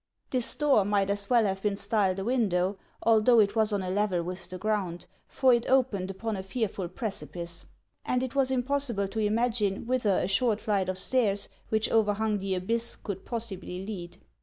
This door might as well have been styled a window, although it was on a level with the ground, for it opened upon a fearful precipice ; and it was impossible to imagine whither a short flight of stairs which overhung the abyss could possibly lead.